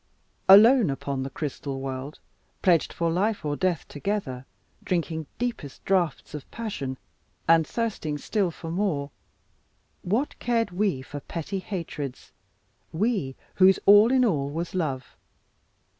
Alone upon the crystal world, pledged for life or death together, drinking deepest draughts of passion and thirsting still for more, what cared we for petty hatreds, we whose all in all was love?